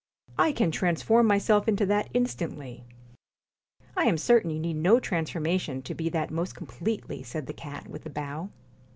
' I can transform myself into that instantly.' I 1 am certain you need no transformation to be that most completely,' said the cat, with a bow.